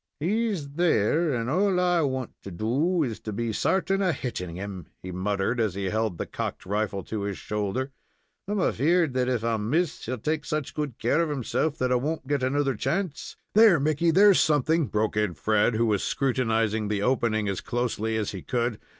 "He's there; and all I want to do is to be certain of hitting him," he muttered, as he held the cocked rifle to his shoulder. "I'm afeard that if I miss he'll take such good care of himself that I won't get another chance " "There, Mickey, there's something," broke in Fred, who was scrutinizing the opening as closely as he could.